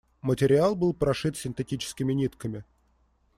Материал был прошит синтетическими нитками.